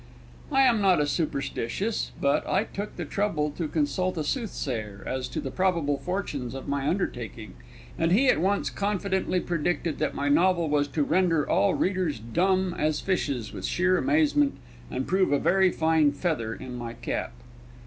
I am not a superstitious, but I took the trouble to consult a soothsayer, as to the probable fortunes of my undertaking, and he at once confidently predicted that my novel was to render all readers dumb as fishes with sheer amazement and prove a very fine feather in my cap.